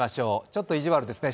ちょっと意地悪ですね。